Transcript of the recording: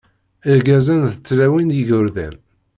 Irgazen d tlawin d yigerdan.